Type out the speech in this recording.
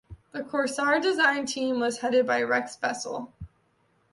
The Corsair design team was headed up by Rex Beisel.